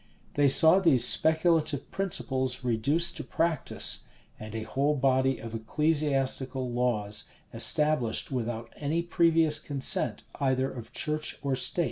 They saw these speculative principles reduced to practice, and a whole body of ecclesiastical laws established without any previous consent either of church or state.